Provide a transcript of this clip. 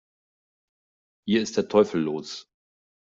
Hier ist der Teufel los!